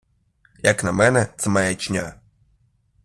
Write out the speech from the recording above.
Як на мене, це маячня.